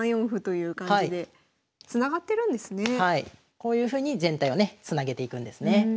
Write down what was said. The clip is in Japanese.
こういうふうに全体をねつなげていくんですね。